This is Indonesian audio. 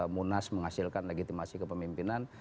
munas menghasilkan legitimasi kepemimpinan